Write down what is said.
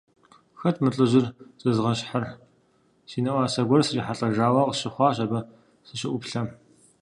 Хэт мы лӀыжьыр зэзгъэщхьыр – си нэӀуасэ гуэр срихьэлӀэжауэ къысщыхъуащ, абы сыщыӀуплъэм.